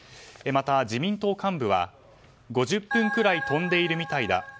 また自民党幹部は５０分くらい飛んでいるみたいだ。